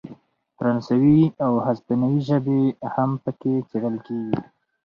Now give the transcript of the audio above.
فرانسوي او هسپانوي ژبې هم پکې څیړل کیږي.